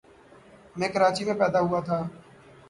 میں کراچی میں پیدا ہوا تھا۔